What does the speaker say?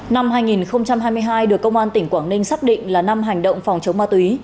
năm hai nghìn hai mươi hai được công an tỉnh quảng ninh xác định là năm hành động phòng chống ma túy